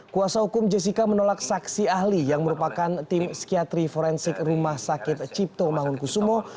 kuasa hukum jessica menolak saksi ahli yang merupakan tim psikiatri forensik rumah sakit cipto mangunkusumo